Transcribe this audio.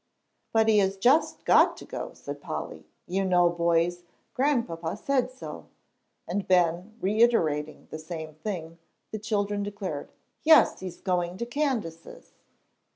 "But he has just got to go," said Polly; "you know, boys, Grandpapa has said so." And Ben reiterating the same thing, the children declared, "Yes, he's going to Candace's."